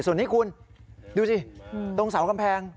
ส่วนนี้คุณดูสิตรงเสากำแพง